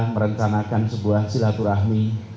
merencanakan sebuah silaturahmi